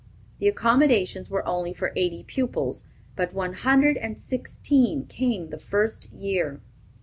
The accommodations were only for eighty pupils, but one hundred and sixteen came the first year.